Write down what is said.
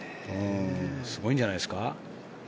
すごいんじゃないですか。